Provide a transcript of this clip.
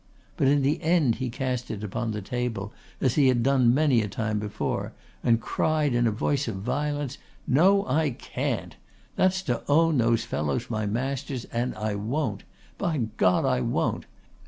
But in the end he cast it upon the table as he had done many a time before and cried in a voice of violence: "No, I can't. That's to own these fellows my masters and I won't. By God I won't!